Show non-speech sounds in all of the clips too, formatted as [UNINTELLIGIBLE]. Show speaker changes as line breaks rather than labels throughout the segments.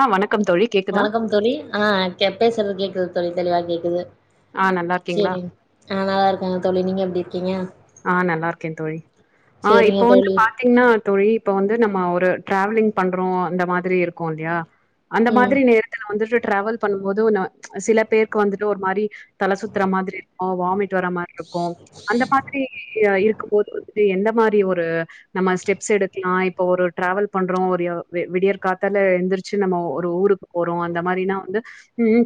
ஆ வணக்கம் தோழி கேக்குதா
வணக்கம் தோழி அ கே பேசற்து கேக்குது தோழி தெளிவா கேக்குது
ஆ நல்லா இருக்கீங்களா
செரிங் அ நல்லாருக்கங்க தோழி நீங்க எப்டி இர்க்கீங்க
ஆ நல்லார்க்கே தோழி ஆ இப்ப வந்து
தோழி
பாத் திங்னா தோழி இப்ப வந்து நம்ம ஒரு ட்ராவலிங் பண்றோ மாதுரி இருக்கு இல்யா அந்த
ம்
மாதுரி நேரத்துல வந்துட்டு ட்டிராவல் பண்ணும்போது ந சில பேர்க்கு வந்துட்டு ஒரு மாரி தல சுத்துற மாதுரி இருக்கு வாமிட் வர மாரி இருக்கு அந்த மாதுரிய இருக்கும்போது வந்தட்டு எந்த மாதுரி ஒரு நம்ம ஸ்டெப்ஸ் எடுக்லா இப்ப ஒரு ட்டிராவல் பண்றோ ஒரு எ வெ விடியற் காத்தால எழ்ந்துருச்சு நம்ம ஒரு ஊருக் போறோ அந்த மாரினா வந்து ம்ம்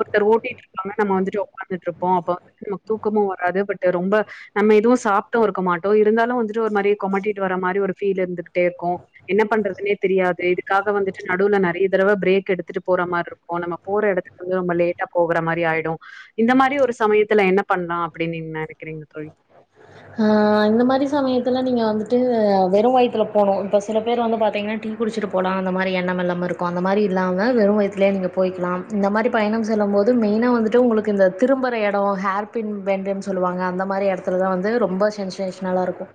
ஒர்த்தர் ஓட்டிட்ருக்காங்க நம்ம வந்துட்டு ஒக்காந்துட்ருப்போ அப்ப வந்து நமக்கு தூக்கமு வராது பட்டு ரொம்ப நம்ம எதுவு சாப்ட்டு இருக்க மாட்டோ இருந்தாலுவந்துட்டு ஒரு மாரி கொமட்டிட்டு வர மாரி ஒரு ஃபீல் இருந்துகுட்டே இருக்கு என்ன பண்றதுன்னே தெரியாது இதுக்காக வந்துட்டு நடுவ்ல நெறய தடவ பிரேக் எடுத்துட்டு போறா மார்ருக் போ நம்ம போற எடத்துக்கு வந்து நம்ம லேட்டா போகுற மாரி ஆயிடு இந்த மாரி ஒரு சமயத்துல என்ன பண்லா அப்டின் நீங்க நெனக்கிறீங்க தோழி
ஆ இந்த மாரி சமயத்துல நீங்க வந்துட்டு வெறும் வயித்துல போனு இப்போ சில பேர் வந்து பாத்தீங்கன்னா டீ குடிச்சிட்டு போலா அந்த மாரி எண்ணம் எல்லாம இருக்கு அந்த மாரி இல்லாம வெறும் வயிதுலேய நீங்க போயிக்கிலா இந்த மாரி பயணம் செல்லம்போது மெயினாக வந்துட்டு உங்களுக்கு இந்த திரும்பற எடோ ஹேர் பின் பெண்டுன் சொல்லுவாங்க அந்த மாரி எடத்துலதா வந்து ரொம்ப ஷென்சேஷனலா இருக்கு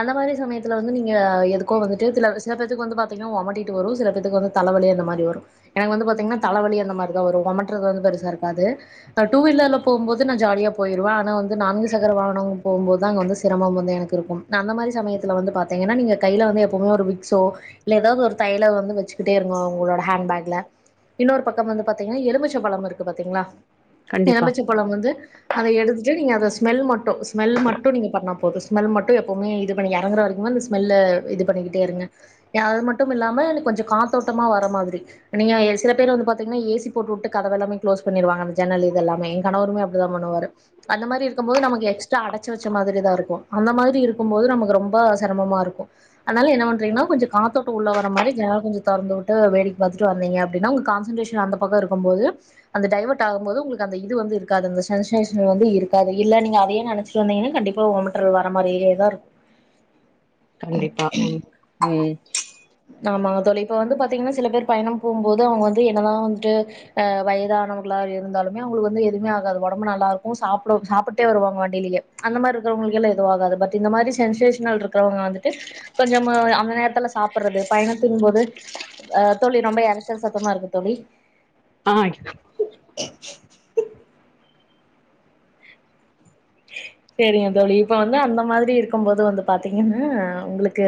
அந்த மாரி சமயத்துல வந்து நீங்க எதுக்கோ வந்துட்டு தில சில பேத்துக்கு வந்து பாத்தீங்னா ஒமட்டிட்டு வரு சில பேத்துக்கு வந்து தலவலி அந்த மாரி வரு எனக்கு வந்து பாத்தீங்கனா தலவலி அந்த மாரிதா வரு ஒமட்ரது பெருசா இருக்காது நா டூ வீலர்ல போகும்போது நா ஜாலியா போயிருவே ஆனா வந்து நான்கு சகர வாகனோ போம்போது தா அங்க வந்து சிரமம் வந்து எனக்கு இருக்கும் அந்த மாரி சமயத்துல வந்து பாத்தீங்கன்னா நீங்க கையில வந்து எப்பவுமே ஒரு விக்சோ இல்ல எதாவ்து ஒரு தைலம் வந்து வச்சுக்கிட்டே இருக்னு அவுங்குளோட ஹேண்ட்பேக்ல இன்னொரு பக்கம் வந்து பாத்தீங்கனா எலுபச்ச பழம் இருக்கு பாத்தீங்களா
கண்டிப்பா.
எலுமிச்ச பொழம் வந்து அத எடுத்துட்டு நீங்க அத ஸ்மெல் மட்டு ஸ்மெல் மட் டு நீங்க பண்ணா போது ஸ்மெல் மட்டு எப்பவுமே இது பண்ணி எறங்குற வரக்குமே இந்த ஸ்மெல்ல இது பண்ணிக்கிட்டே இருங்க அது மட்டும் இல்லாம எனக்கொஞ்ச காத்தோட்டமா வர மாதுரி நீங்க சில பேர் வந்து பாத்தீங்கன்னா ஏசி போட்டு உட்டு கதவெல்லாமே க்ளோஸ் பண்ணிருவாங்க அந்த ஜன்னல் இதெல்லாமே ஏ கணருமே அப்டிதா பண்ணிவாரு அந்த மாரி இருக்கம்போது நமக்கு எஸ்ட்ரா அடச் சு வச்ச மாதுரிதா இருக்கு அந்த மாதுரி இருக்கும்போது நமக்கு ரொம்ப செரமமா இருக்கு அத்னால என்ன பண்றீங்னா கொஞ்ச காத்தோட்ட உள்ள வர மாரி ஜன்னல் கொஞ்ச தொறந்து உட்டு வேடிக் பாத்துட் வந்தீங்க அப்டினா உங்க கான்சன்ட்ரேஷன் நீ அந்த பக்க இருக்கம்போது அந்த டைவெர்ட் ஆகும்போது உங்குளுக்கு அந்த இது வந்து இருக்காது அந்த ஷன்சேஷன்ல் வந்து இருக்கா இல்ல நீங்க அதயே நனச்சி ட்ரு வந்தீங்கன்னா கண்டிப்ப ஓமட்ரல வர மாரியேதா இருக்
கண்டிப்பா ம் ம்
ஆமாங்க தோழி இப்போ வந்து பாத்தீங்னா சில பேர் பயணம் போகும்போது அவுங்க வந்து என்னதா வந்துட்டு அ வயதானவர்களா இருந்தாலுமே அவுங்களுக்கு வந்து எதுவுமே ஆகாது ஒடம்பு நல்லா இருக்கு சாப்ட சாப்பிட்டே வருவாங்க வண்டியிலேயே அந்த மாரி இருக்றவங்களுக்கு எல்லா எதுவாகாது பட் இந்த மாரி சென்சேஷனல் இருக்குறவங்க வந்துட்டு கொஞ்சம் அந்த நேரத்துல சாப் றது பயணத்தின் போது ஆ தோழி ரொம்ப எறச்சல் சத்தமா இருக்கு தோழி
ஆ
[INAUDIBLE] சேரிங்க தோழி இப்ப வந்து அந்த மாதிரி இருக்கும்போது வந்து பாத்தீங்கனா உங்களுக்கு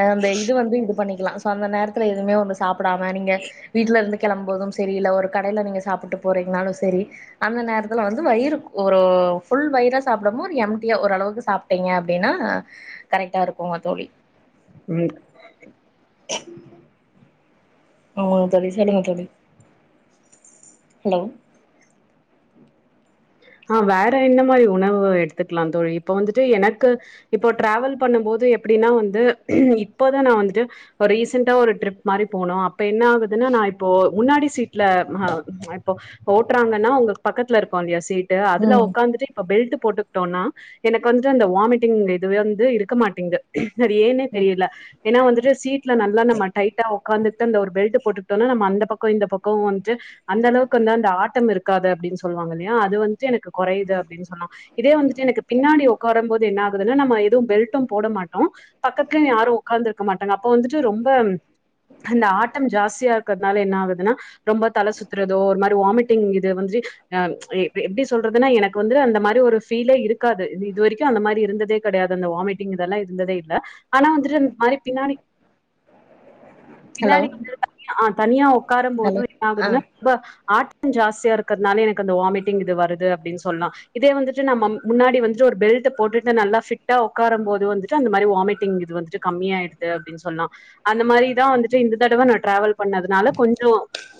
அ அந்த இது வந்து இது பண்ணிக்லா சோ அந்த நேரத்துல எதுவுமே ஒன்னு சாப்டாம நீங்க வீட்ல இருந்து கெளம்பும்போதும் சரி இல்ல ஒரு கடயில நீங்க சாப்ட்டு போறீங்கனாலு சரி அந்த நேரத்ல வந்து வயிறு ஒரு ஃபுல் வயிரா சாப்டாம ஒரு எம்டிய ஓரளவுக்கு சாப்ட்டீங்க அப்டின்னா கரெக்டா இருக்குங்க தோழி
உம்
ஆமாங்க தோழி சொல்லுங்க தோழி ஹலோ
ஆ வேற என்ன மாதிரி உணவு எடுத்துக்கலா தோழி இப்ப வந்துட்டு எனக்கு இப்போ ட்ராவல் பண்ணும் போது எப்டின்னா வந்து இப்பதா நா வந்துட்டு ஒரு ரீசண்டா ஒரு டிரிப் மாதிரி போணு அப்ப என்ன ஆகுதுன்னா நா இப்போ முன்னாடி சீட் இல்ல இப்போ ஓட்டுறாங்கன்னா ஒங்கலுக்கு பக்கத்ல இருக்கு இல்லையா சீட்டு அதுல
ம்.
ஒக்காந்துட்டு இப்ப பெல்ட்டு போட்டுக்கிட்டோனா எனக்கு அந்த வாமிட்டிங் இதுவே வந்து இருக்க மாட்டேங்குது அது ஏன்னே
ம்.
தெரியல ஏன்னா வந்துட்டு சீட்ல நல்லா நம்ம டைட்டா ஒக் ஒக்காந்துட்டு அந்த ஒரு பெல்ட்டு போட்டுக்கிட்டோனா நம்ம அந்த பக்கோ இந்த பக்கோ வந்துட்டு அந்த அளவுக்கு வந்து அந்த ஆட்டம் இருக்காது அப்டின்னு சொல்லுவாங்க இல்லையா அது வந்துட்டு எனக்கு கொறயுது அப்டின்னு சொன்னாங்க இதே வந்துட்டு எனக்கு பின்னாடி ஒக்காரம் போது என்ன ஆகுதுன்னா நம்ம எதுவும் பெல்ட்டும் போட மாட்டோ பக்கத்துலயு யாரு ஒக்காந்து இருக்க மாட்டாங்க அப்ப வந்துட்டு ரொம்ப அந்த ஆட்டம் ஜாஸ்தியா இருக்குறதுனால என்ன ஆகுதுன்னா ரொம்ப தல சுத்துறதோ ஒரு மாரி வாமிட்டிங் இது வந்து அ எப்டி சொல்றதுன்னா எனக்கு வந்து அந்த மாரி ஒரு ஃபீலே இருக்காது இது வரைக்கு அந்த மாரி இருந்ததே கெடயாது அந்த வாமிட் அப்டிங்தெல்லா இருந்ததே இல்ல ஆனா வந்துட்டு மாரி பின்னாடி
ஹலோ
பின்னாடி வந்து தனியா ஆ தனியா ஒக்காரும் போது
ஹலோ.
என்ன
ஆ.
ஆகுதுன்னா ரொம்ப ஆட்டம் ஜாஸ்தியா இருக்குறதுனாலே எனக்கு அந்த வாமிட்டிங் இது வருது அப்டின்னு சொல்லலா இதே வந்துட்டு நம்ம முன்னாடி வந்துட்டு ஒரு பெல்ட போட்டுட்டு நல்லா ஃபிட்டா ஒக்காரும் போது வந்துட்டு அந்த மாரி வாமிட்டிங் இது வந்துட்டு கம்மி ஆயிடுது அப்டின்னு சொல்லலா அந்த மாரிதா வந்துட்டு இந்த தடவ நா டிராவல் பண்ணதுனால கொஞ்சோ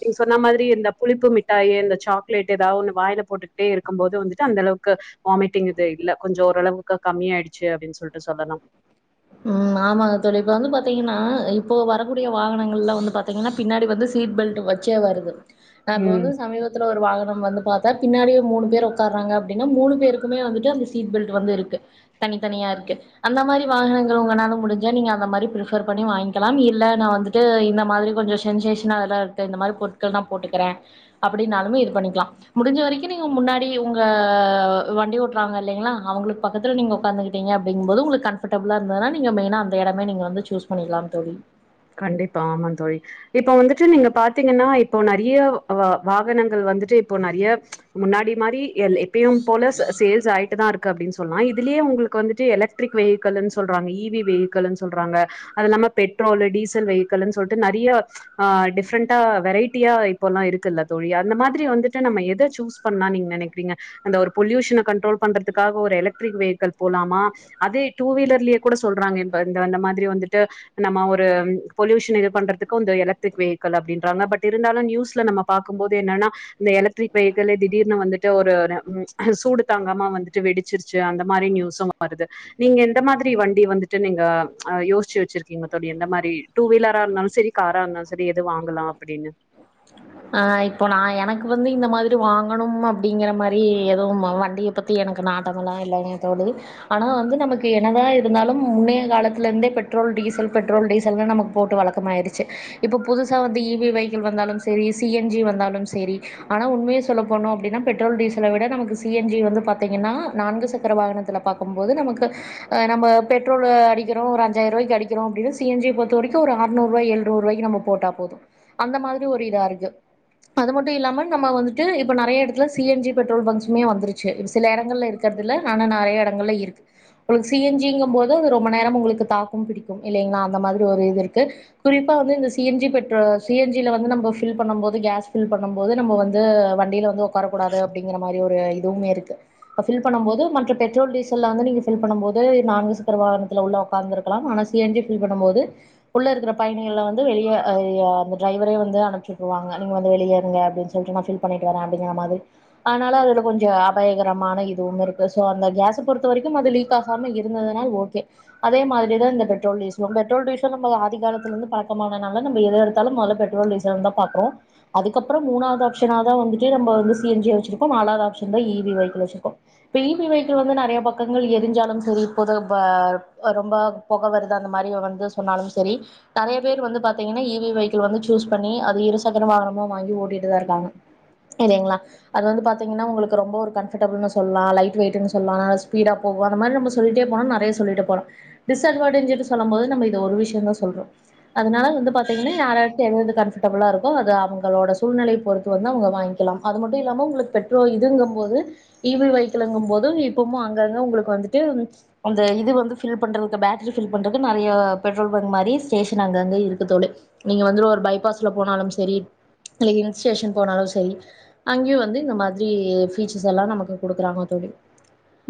நீங்க சொன்ன மாதிரி இந்த புளிப்பு மிட்டாயி இந்த சாக்லேட் ஏதாவது ஒன்னு வாயில போட்டுக்கிட்டே இருக்கும் போது வந்துட்டு அந்த அளவுக்கு வாமிட்டிங் இது இல்ல கொஞ்சோ ஓரளவுக்கு கம்மியாயிடுச்சு அப்டின்னு சொல்ட்டு சொல்லலா
உம் ஆமாங்க தோழி இப்ப வந்து பாத்தீங்கன்னா இப்போ வரக்கூடிய வாகனங்கள்ல வந்து பாத்தீங்கன்னா பின்னாடி வந்து சீட் பெல்டு வச்சே வருது நா இப்ப
ம்
வந்து சமீபத் ஒரு வாகனம் வந்து பாத்தா பின்னாடியே மூனு பேரு ஒக்றாங்க அப்டின்னா மூனு பேருக்குமே வந்துட்டு அந்த சீட் பெல்ட் வந்து இருக்கு தனித்தனியா இருக்கு அந்த மாதிரி வாகனங்கள் ற ஒங்கனால முடுஞ்சா நீங்க அந்த மாதிரி ப்ரஃபர் பண்ணி வாங்கிக்கலாம் இல்ல நா வந்துட்டு இந்த மாதிரி கொஞ்சோ சென்சேஷனா அதெல்லா இந்த மாதிரி பொருட்கள் தா போட்டுக்குறே அப்டின்னாலு இது பண்ணிக்கலா முடிஞ்ச வரைக்கு நீங்க முன்னாடி ஒங்க வண்டி ஓட்றாங்க இல்லைங்ளா அவுங்களுக்கு பக்கத்ல நீங்க ஒக்காந்துக்கிட்டீங்க அப்டிங்கம்போது ஒங்களுக்கு கம்ஃபர்டபுளா நீங்க மெயினா அந்த எடமே நீங்க வந்து சூஸ் பண்ணிக்கலாம் தோழி
கண்டிப்பா ஆமாந் தோழி இப்போ வந்துட்டு நீங்க பாத்தீங்கன்னா இப்போ நெறைய வா வாகனங்கள் வந்துட்டு இப்போ நெறைய முன்னாடி மாரி எல் எப்பயு போல ச சேல்ஸ் ஆயிட்டு தா ருக் கு அப்டின்னு சொன்னா இதுலேயே உங்களுக்கு வந்துட்டு எலக்டரிக் வெஹிக்கில்னு சொல்றாங்க இ வி வெஹிக்கில்னு சொல்றாங்க அது இல்லாம பெட்ரோலு டீசல் வெஹிக்கில்ன்னு சொல்ட்டு நெறைய ஆ டிஃப்ரெண்டா வெரைட்டியா இப்போல்லா இருக்குல்ல தோழி அந்த மாதிரி வந்துட்டு நம்ம எத சூஸ் பண்ணா நீங்க நெனைக்கிறீங்க அந்த ஒரு பொல்யூஷன கண்ட்ரோல் பண்றதுக்காக ஒரு எலக்ட்ரிக் வெஹிக்கில் போலாமா அதே டூ வீலர்லயே கூட சொல்றாங்க இன்ப இந்த இந்த மாதிரி வந்துட்டு நம்ம ஒ ரு பொலியூஷன இது பண்றதுக்கு இந்த எலக்ட்ரிக் வெஹிக்கில் அப்டின்றாங்க பட் இருந்தாலு நியூஸ்ல நம்ம பாக்குபோது என்னன்னா இந்த எலக்ட்ரிக் வெஹிக்கலு திடீர்னு வந்துட்டு ஒரு ந ம் சூடு தாங்காமா வந்துட்டு வெடி ச்சிருச்சு அந்த மாரி நியூஸு வருது நீங்க எந்த மாதிரி வண்டி வந்துட்டு நீங்க அ யோசிச்சு வச்சிருக்கீங்க தோ ழி எந்த மாரி டூ வீலரா இருந்தாலு செரி காரா இருந்தாலு செரி எது வாங்கலா அப்டின்னு
ஆ இப்போ நா எனக்கு வந்து இந்த மாதிரி வாங்கணும் அப்டிங்கிற மாரி எதுவும் அ வண்டிய பத் தி எனக்கு நாட்டமெல்லா இல்லைங்க தோழி ஆனா வந்து நமக்கு என்னதா இருந்தாலு முன்னைய காலத்தல இருந்தே இப்பட் பெட்ரோல் டீசல் பெட்ரோல் டிசல்னு நமக்கு போட்டு வழக்கமாயிச்சி இப்ப புதுசா வந்து இ வி வெஹிக்கல் வந்தாலு செரி சி என் ஜி வந்தாலும் செரி ஆனா உண்மைய சொல்ல போனோ அப்டின்னா பெட்ரோல் டீசல விட நமக்கு சி என் ஜி வந்து பாத்தீங்னா நான்கு சக்கர வாகனத்லப் பாக்கு போது நமக்கு அ நம்ம பெட்ரோலு அடிக்கிறோ ஒரு அஞ்சாயிர ரூவாய்க்க அடிக்கிறோ அப்டினா சி என் ஜி பொத்த வரைக்கு ஒரு அரரூவா எழுற்நூறு ரூவாய்க்கு நம்பப் [UNINTELLIGIBLE] போட்டா போது அந்த மாதிரி ஒரு இதா இருக்கு அது மட்டு இல்லாம நம்ம வந்துட்டு இப்ப நெறைய எடத்துல C N G petrol bunks மே வந்துருச்சி இப்ப சில எடங்கள்ல இருக்கு க்கிறது இல்ல ஆனா நெறைய எடங்கள்ல இருக்கு உங்களுக்கு சி என் ஜி ங்கு போது அது ரொம்ப நேரம் உங்களுக்கு தாக்கும் புடிக்கு இல்லைங்களா அந்த மாதிரி ஒரு இது இருக்கு குறிப்பா வந்து இந்த சி என் ஜி பெட்ரோ சி என் ஜி ல வந்து நம்ப ஃப் ஃபில் பண்ணு போது கேஸ் ஃபில் பண்ணு போது நம்ம வந்து வண்டில வந்து உக்கார கூடாது அப்டிங்கிற மாரி ஒரு இதுவுமே இருக்கு இப்ப ஃபில் பண்ணு போது மற்ற பெட்ரோல் டீசல்ல வந்து நீங்க ஃபில் பண்ணு போது நான்கு சக்கர வாகனத்ல உள்ள உக்காந்திருக்கலாம் ஆனா சி என் ஜி ஃபில் பண்ணுபோது உள்ள இருக்குற பயணிகள வந்து வெளிய அ ய அந்த டிரைவரே வந்து அனுப்புச் அனுப்பிச்சுட்ருவாங்க நீங்க வந்து வெளிலயே இருங்க அப்டினு சொல்ட்டு நா ஃபில் பண்ணிட்டு வரே அப்டிங்கிற மாதிரி அதனால அதுல கொஞ்சோ அபாயகரமான இதுவும் இருக்கு சோ அந்த கேஸ பொறுத்த வரைக்கு அது லீக் க்காகம இருந்ததுனால் ஓகே அதே மாரி தா இந்த பெட்ரோல் டிசலு பெட்ரோல் டிசலு ப்ப ஆதி காலத்துல இருந்து பழக்கமானால நம்ம எது எடுத்தாலு மொதல பெட் ட்ரோல் டிசலு தா பாக்கோ அதுக்கப்பறோ மூணாது ஆப்ஷ தா வந்துட்டு நம்ம வந்து சி என்ஜி வச்சிருக்கோ நாலாவது ஆப்ஷன் தா இ வி வெஹிக்கல் வச்சிருக்கோ இப்ப இ வி வெஹிக்கல் வந்து நெறைய பக்கங்கள் எரிசாலு செரி இப்போது ப்ப ரொம்ப போக வருது அந்த மாரியே வந்து சொன்னாலும் செரி நெறைய பேர் வந்து பாத்தீங்கன்னா இ வி வெஹிக்கல் வந்து சூஸ் பண்ணி அ இரு சக்கர வாகனமு வாங்கி ஓட்டிட்டு தா இருக்காங்க இல்லைங்ளா அது வந்து பாத்தீங்னா உங்களுக்கு ரொம்ப ஒரு கம்பர்டபுள்னு சொல்லலா லைட் வெய்ட்ன்னு சொல்லலா நா ஸ்பீடா போகு அந்த மாரி நம்ம சொல்லிட்டே போனா நெறைய சொல்லிட்டே போலா டிஸ்அட்வான்டேஜ் என்ற சொல்லு போது நம்ம இது ஒரு விஷ்யோ தா சொல்றோ அதனால வந்து பாத்தீங்கன்னா யார்யார்க்கு [UNINTELLIGIBLE] கம்பல்டபுளா இருக்கும் அது அவங்களோட சூழ்நலைய பொறுத்து வந்து கொண்ட அவுங்க வாங்கிலாம் அது மட்டு இல்லாமல உங்களுக்கு பெட்ரோல் இதுங்குபோது இ வில் வைக்கிலுங்கு போது இப்பமு அங்க தா உங்களுக்கு வந்துட்டு அந்த இது வந்து ஃபில் பண்றதுக்கு பேட்டரி ஃபில் பண்றதுக்கு நெறைய பெட்ரோல் பங்க் மாரி ஸ்டேஷன் அங்கங்கே இருக்கு தோழி நீங்க வந்து ஒரு பைபாஸ்ல போனாலும் சரி இல்ல இல் ஸ்டேஷன் போனாலும் சரி அங்கயும் வந்து இந்த மாரி பிச்சர்ஸ் எல்லா நமக்கு குடுக்குறாங்க தோழி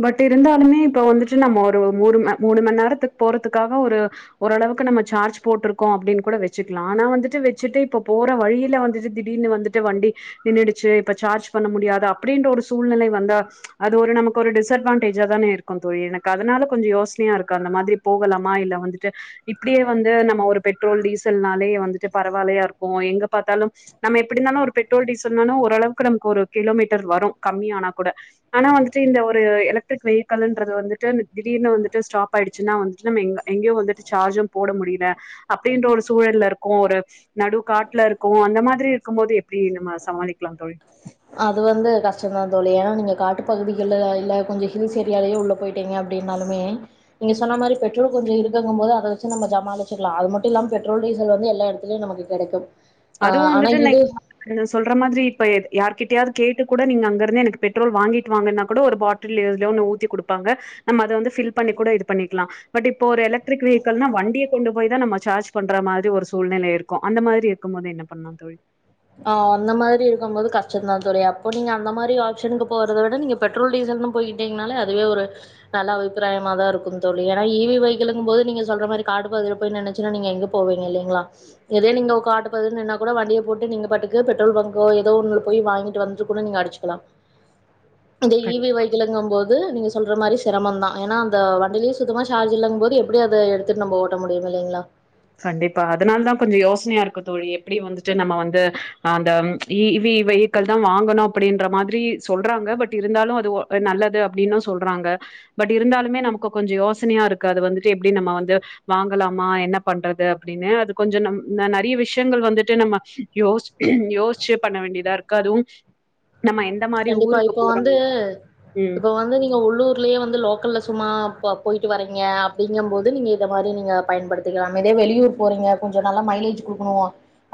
பட் இருந்தாலுமே இப்ப வந்துட்டு நம்ம ஒரு மூணு மூணு மண் நேரத்துக் போறதுக்காக ஒரு ஓரளவுக்கு நம்ம சார்ஜ் போட்ருக்கோம் அப்டின் கூட வச்சிக்கலா ஆனா வந்துட்டு வெச்சிட்டு இப்ப போற வழியில வந்துட்டு திடீர்னு வந்து ட்டு வண்டி நின்னுடுச்சி இப்ப சார்ஜ் பண்ண முடியாது அப்டின்ற ஒரு சூழ்நிலை வந்தா அது ஒரு நமக் கு ஒரு டிஸ்அட்வான்டேஜா தானே இருக்கும் தோழி எனக்கு அதனால கொஞ்சம் யோசனையா இருக்கு அந்த மாதிரி போகலாமா இல்ல வந்துட்டு இப்டியே வந்து நம்ம ஒரு பெட்ரோல் டீசல்னாலே வந்துட்டு பரவாயில்லையா இருக்கும் எங்க பாத்தாலும் நம்ம எப்டி இருந்தாலும் ஒரு பெட்ரோல் டீசல்னாலும் ஓரளவுக்கு நமக்கு ஒரு கிலோமீட்டர் வரும் கம்மி ஆனா கூட ஆனா வந்துட் டு இந்த ஒரு எலக்ட்ரிக் வெஹிக்கல்ன்றது வந்துட்டு திடீர்னு வந்துட்டு ஸ்டாப் ஆயிடுச்சுன்னா வந்துட்டு நம்ம எங்க எங்கையு வந்துட்டு சார்ஜும் போட முடியல அப்டின்ற ஒரு சூழல்ல இருக்கும் ஒரு நடு காட்ல இருக்கோம் அந்த மாதிரி இருக்கும் போது எப்படி நம்ம சமாளிக்லாம் தோழி
அது வந்து கஷ்டந்தா தோழி ஏன்னா நீங்க காட்டு பகுதிகள்ல இல்ல கொஞ்சம் ஹில்ஸ் ஏரியாவாலயே உள்ள போயிட் ட்டீங்க அப்டின்னாலுமே நீங்க சொன்ன மாரி பெட்ரோல் கொஞ்சோ இருக்கங்க போது அத வச்சி நம்ம சமாளிச்சிக்கலா அது மட்டும் இல்லாமா பெட்ரோல் டீசல் வந்து எல்லா எடத்துலயு நமக்கு கெடைக்கும் ஆ
அதுவு
ஆனா
வந்துட்டு
இது
நீங்க சொல்ற மாதிரி இப்ப யார்கிட்டயாவது கேட்டு கூட நீங்க அங்க இருந்தே எனக்கு பெட்ரோல் வாங்கிட்டு வாங்கன்னா கூட ஒரு பாட் டில் எதுலயோ ஒன்னு ஊத்தி குடுப்பாங்க நம்ம அத வந்து ஃபில் பண்ணி கூட இது பண்ணிக்கலா பட் இப்போ ஒரு எலக்ட்ரிக் வீக்கல்னா வண்டிய கொண்டு போய் தா நம்ம சார்ஜ் பண்ற மாதிரி ஒரு சூழ்நிலை இருக்கும் அந்த மாதிரி இருக்கு போது என்ன பண்ணா தோழி
ஆ அந்த மாரி இருக்கும் போது கஷ்டம் தா தோழி அப்போ நீங்க அந்த மாரி ஆஃப்சனுக்கு போறத விட நீங்க பெட்ரோல் டீசல்ன்னு போய்கிட்டிங்கனாலே அதுவே ஒரு நல்ல அபிப்பிராயமா தா இருக்கும் தோழி ஏனா ஹெவி வைக்களுங்க போது நீங்க சொல்ற மாதிரி காடு பகுதியில போய் நின்னு ச்சுனா நீங்க எங்க போவீங்க இல்லைங்களா இதே நீங்க காட்டு பகுதில நின்னா கூட வண்டிய போட்டு நீங்க பாட்டுக்கு பெட்ரோல் பங்கோ ஏதோ ஒன்னுல போய் வாங்கிட்டு வந்துட்டு கூட நீங்க அடச்சுக்கலா அந்த இ
தோழி
வே வை க்களுங்கம் போது நீங்க சொல்ற மாரி சிரமம் தா ஏனா அந்த வண்டியில சுத்தமா சார்ஜ் இல்லங்கம் போது எப்படி அத எடுத்து து நம்ப ஓட்ட முடியும் இல்லைங்களா
கண்டிப்பா அதுனால தான் கொஞ்சம் யோசனையா இருக்கு தோழி எப்படி வந்துட்டு நம்ம வந்து அந்த இ வி வை மக்கள் தான் வாங்கணும் அப்படின்ற மாதிரி சொல்றாங்க பட் இருந்தாலு அது நல்லது அப்படின்னு சொல்றாங்க பட் இருந்தாலுமே நமக்கு கொஞ்சோ யோசனையா இருக்கு அது வந்துட்டு எப்டி நம்ம வந்து வாங்கலாமா என்ன பண்றது அப்டின்னு அது கொஞ்சோ நம் நிறைய விஷயங்கள் வந்துட்டு நம்ம யோ யோசிச்சு பண்ண வேண்டியதா இருக் கு அதுவு நம்ம என்
கண்டிப்பா இப்ப வந்து
ம்
இப்ப வந்து நீங்க உள்ளூர் க்குள்ளயே வந்து லோக்கல்ல சும்மா போயிட்டு வறீங்க அப்டிங்கம் போது நீங்க இந்த மாரி நீங்க பயன்படுத்திக்கலா இதே வெளியூர் போறீங்க கொஞ்சோ நல்லா மைலேஜ் குடுக்கணு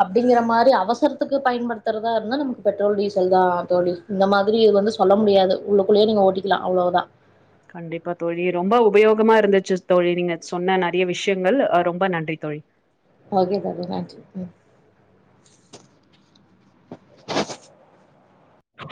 அப்டிங்கிற மாரி அவசரத்துக்கு பயன்படுத்துறதா இருந்தா நமக்கு பெட்ரோல் டீசல் தான் தோழி இந்த மாதிரி இது வந்து சொல்ல முடியாது உள்ளுக்குள்ளயே நீங்க ஓட்டிக்கலா அவ்வளவுதா
கண்டிப்பா தோழி ரொம்ப உபயோகமா இருந்துச்சு தோழி நீங்க சொன்ன நெறைய விஷயங்கள் ரொம்ப நன்றி தோழி
ஓகே தோழி நன்றி